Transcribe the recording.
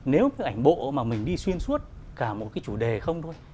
nếu cái ảnh bộ mà mình đi xuyên suốt cả một cái chủ đề không thôi